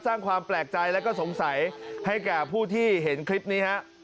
สร้างความแปลกใจและก็สงสัยให้แก่ผู้ที่เห็นคลิปนี้ฮะ